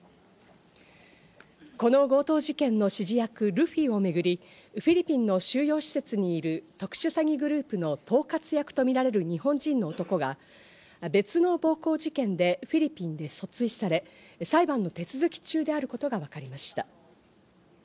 この強盗事件の指示役ルフィをめぐり、フィリピンの収容施設にいる特殊詐欺グループの統括役とみられる日本人の男が、別の暴行事件でフィリピンで訴追され、裁判の手続き中であることがわかりました。